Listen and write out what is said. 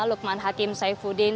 lukman hakim saifuddin